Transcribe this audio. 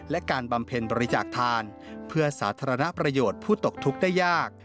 และการบำเพ็ญบริจาคทานเพื่อสาธารณประโยชน์ผู้ตกทุกข์ได้ยาก